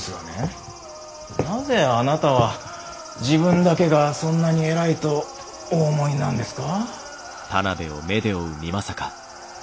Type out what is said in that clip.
なぜあなたは自分だけがそんなに偉いとお思いなんですか？